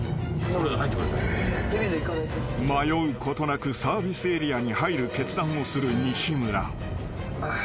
［迷うことなくサービスエリアに入る決断をする西村］